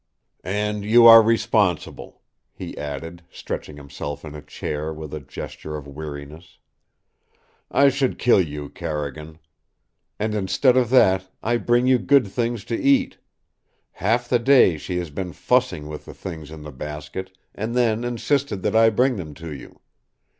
"And you are responsible," he added, stretching himself in a chair with a gesture of weariness. "I should kill you, Carrigan. And instead of that I bring you good things to eat! Half the day she has been fussing with the things in the basket, and then insisted that I bring them to you.